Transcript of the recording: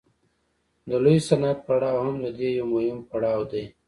د لوی صنعت پړاو هم د دې یو مهم پړاو دی